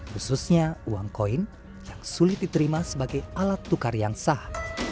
khususnya uang koin yang sulit diterima sebagai alat tukar yang sah